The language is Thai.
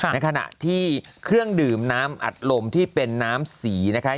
ในขณะที่เครื่องดื่มน้ำอัดลมที่เป็นน้ำสีนะคะ